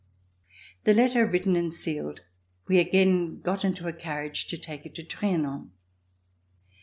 The letter written and sealed, we again got into a carriage to take it to Trianon.